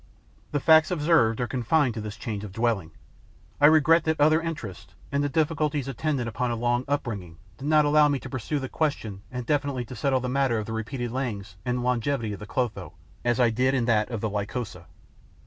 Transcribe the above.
The facts observed are confined to this change of dwelling. I regret that other interests and the difficulties attendant upon a long upbringing did not allow me to pursue the question and definitely to settle the matter of the repeated layings and the longevity of the Clotho, as I did in that of the Lycosa.